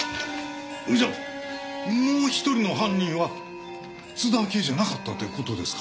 それじゃもう１人の犯人は津田明江じゃなかったって事ですか？